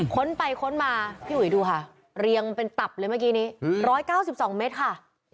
ค้นไปค้นมาพี่อุ๋ยดูค่ะเรียงเป็นตับเลยเมื่อกี้นี้๑๙๒เมตรค่ะ